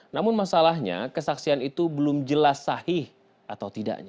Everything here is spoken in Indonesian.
namun masalahnya kesaksian itu belum jelas sahih atau tidaknya